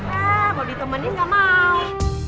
ah mau ditemenin gak mau